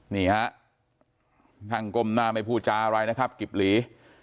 นี่ฮะนั่งก้มหน้าไม่พูดจาอะไรนะครับกิบหลี